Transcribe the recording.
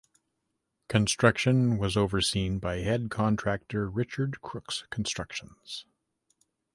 Construction was overseen by head contractor Richard Crookes Constructions.